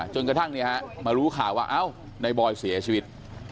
จนกระทั่งเนี่ยมารู้ข่าวว่าเอ้านายบอยเสียชีวิต